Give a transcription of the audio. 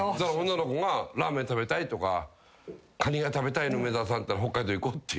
女の子が「ラーメン食べたい」とか「カニが食べたいの梅沢さん」って言ったら。